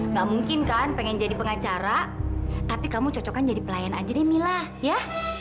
nggak mungkin kan pengen jadi pengacara tapi kamu cocokkan jadi pelayan aja deh mila ya